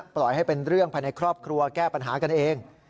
ปล่อยให้เป็นเรื่องภายในครอบครัวแก้ปัญหากันเอง